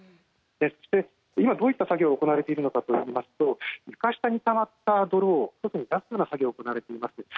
今、どういった作業が行われているかといいますと床下にたまった泥を出す作業が行われています。